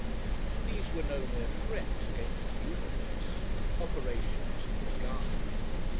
These were no mere threats against the universe; operations had begun.